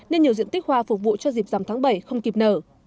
nên nhiều diện tích hoa phục vụ cho dịp giảm tháng bảy không kịp nở